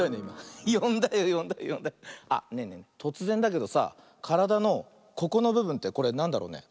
よんだよよんだよよんだよ。あっねえねえとつぜんだけどさからだのここのぶぶんってこれなんだろうね？